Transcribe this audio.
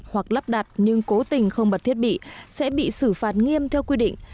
hoặc lắp đặt nhưng cố tình không bật thiết bị sẽ bị xử phạt nghiêm theo quy định